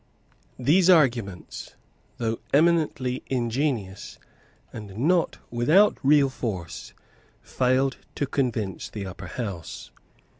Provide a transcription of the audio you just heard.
These arguments, though eminently ingenious, and not without real force, failed to convince the Upper House.